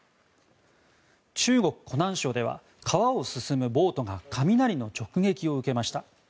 中国湖南省では川を進むボートが雷の直撃を受けました。